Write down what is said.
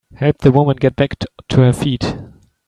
Help the woman get back to her feet.